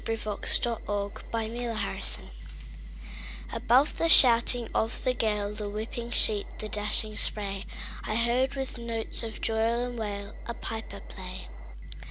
Clinton Scollard Bag Pipes at Sea ABOVE the shouting of the gale, The whipping sheet, the dashing spray,I heard, with notes of joy and wail,A piper play.